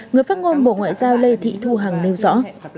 người phát ngôn bộ ngoại giao lê thị thu hằng nêu rõ